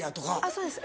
そうです